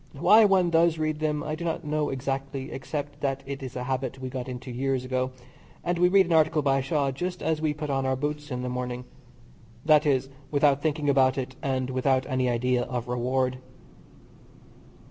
Why one does read them I do not know exactly, except that it is a habit we got into years ago, and we read an article by Shaw just as we put on our boots in the morning that is, without thinking about it, and without any idea of reward.